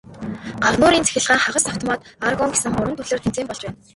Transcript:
Гагнуурын цахилгаан, хагас автомат, аргон гэсэн гурван төрлөөр тэмцээн болж байна.